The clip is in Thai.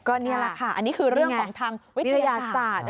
ก็นี่แหละค่ะอันนี้คือเรื่องของทางวิทยาศาสตร์